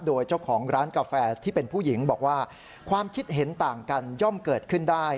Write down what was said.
โดยเจ้าของร้านกาแฟที่เป็นผู้หญิงบอกว่าความคิดเห็นต่างกันย่อมเกิดขึ้นได้